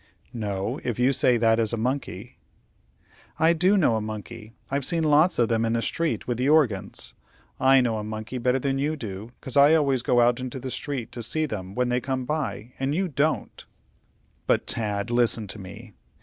"No, if you say that is a monkey." "I do know a monkey. I've seen lots of them in the street with the organs. I know a monkey better than you do, 'cause I always go out into the street to see them when they come by, and you don't." "But, Tad, listen to me.